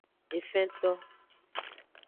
Efento.